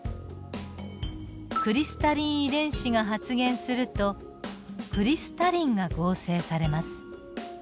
クリスタリン遺伝子が発現するとクリスタリンが合成されます。